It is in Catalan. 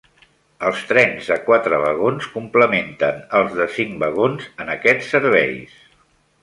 Els trens de quatre vagons complementen els de cinc vagons en aquests serveis.